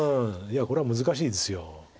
いやこれは難しいです。